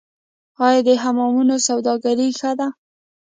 آیا د حمامونو سوداګري ښه ده؟